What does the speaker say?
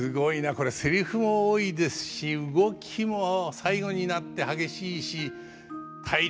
これセリフも多いですし動きも最後になって激しいし体力要りますね。